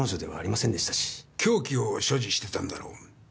凶器を所持してたんだろう？